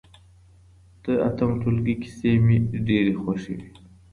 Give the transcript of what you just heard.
د اتم ټولګي کیسې مي ډېرې خوښې وې.